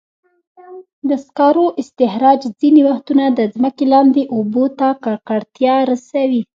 د سکرو استخراج ځینې وختونه د ځمکې لاندې اوبو ته ککړتیا رسوي.